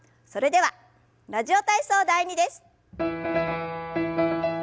それでは「ラジオ体操第２」です。